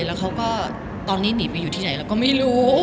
แล้วเขาก็ตอนนี้หนีไปอยู่ที่ไหนเราก็ไม่รู้